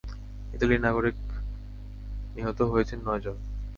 ইতালির নাগরিক নিহত হয়েছেন নয়জন।